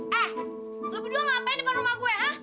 lo berdua ngapain di depan rumah gue ha